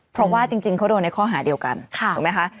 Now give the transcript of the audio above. เพราะว่าจริงจริงเขาโดนในข้อหาเดียวกันค่ะเห็นไหมคะ